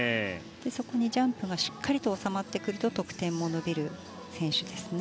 そこにジャンプがしっかりと収まってくると得点も伸びる選手ですね。